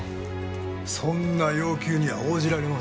そんな要求には応じられませんよ。